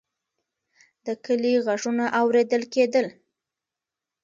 د کلي غږونه اورېدل کېدل.